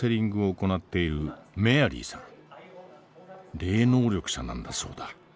霊能力者なんだそうだ。